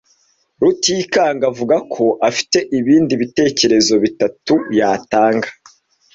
Rutikanga avuga ko afite ibindi bitekerezo bitatu yatanga.